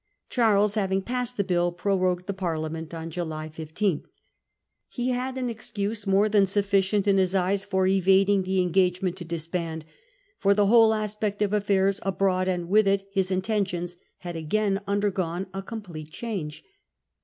Charles, having passed the bill, prorogued the Parliament, July 15. He had an excuse, more than sufficient in his eyes 1678. Probability of further War . 257 for evading the engagement to disband ; for the whole aspect of affairs abroad, and with it his intentions, had again undergone a complete change.